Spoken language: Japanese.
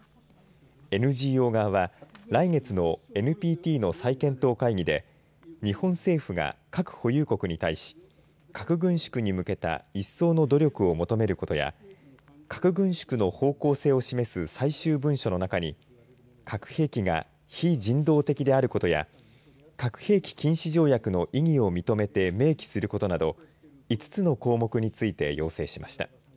ＮＧＯ側は来月のＮＰＴの再検討会議で日本政府が核保有国に対し核軍縮に向けた一層の努力を求めることや核軍縮の方向性を示す最終文書の中に核兵器が非人道的であることや核兵器禁止条約の意義を認めて明記することなど５つの項目について要請しました。